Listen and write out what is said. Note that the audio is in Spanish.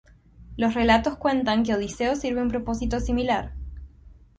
Los relatos cuentan que Odiseo sirve un propósito similar.